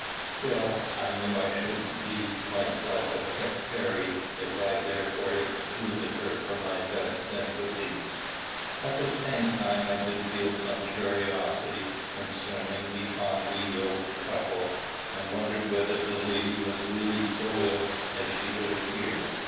Still I knew I should be myself a sectary if I therefore excluded her from my best sympathies. At the same time I did feel some curiosity concerning the oddly yoked couple, and wondered whether the lady was really so ill as she would appear.